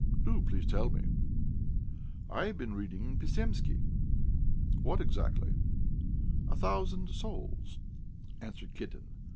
"Do please tell me." "I have been reading Pisemsky." "What exactly?" "'A Thousand Souls,'" answered Kitten.